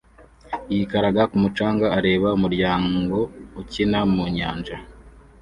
yikaraga ku mucanga areba umuryango ukina mu nyanja